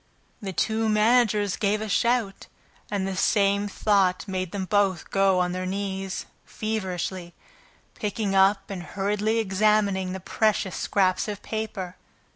The two managers gave a shout, and the same thought made them both go on their knees, feverishly, picking up and hurriedly examining the precious scraps of paper.